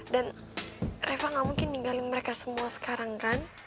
dan reva gak mungkin ninggalin mereka semua sekarang kan